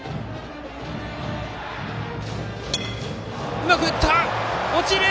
うまく打った、落ちた！